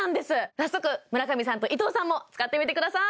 早速村上さんと伊藤さんも使ってみてください